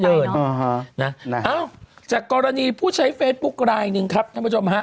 เอ้าจากกรณีผู้ใช้เฟซบุ๊คลายหนึ่งครับท่านผู้ชมฮะ